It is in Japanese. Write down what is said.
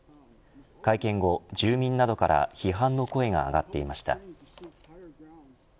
会見後、住民などから批判の声が上がっていました。